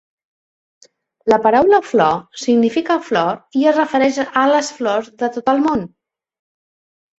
La paraula 'flor' significa flor i es refereix a les flors de tot el món.